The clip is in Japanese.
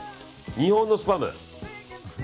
日本のスパム。